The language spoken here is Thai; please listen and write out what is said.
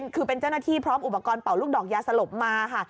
คือเป็นเจ้าหน้าที่พร้อมอุปกรณ์เป่าลูกดอกยาสลบมาค่ะ